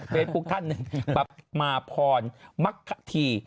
เฟซบุ๊กท่านหนึ่งปะพาพรมักฐี